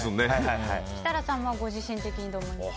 設楽さんはご自身的にどう思われますか？